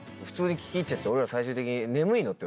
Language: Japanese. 普通に聞き入っちゃって俺ら最終的に。